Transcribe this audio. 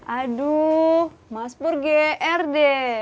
aduh mas pur grd